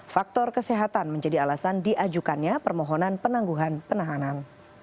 faktor kesehatan menjadi alasan diajukannya permohonan penangguhan penahanan